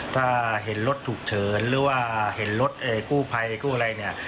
ถ้าเห็นรถถูกเฉินหรือว่าเห็นรถกู้ไภกู้อะไร